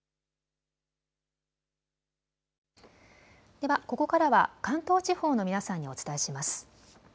ではここからは関東地方の皆さんにお伝えします。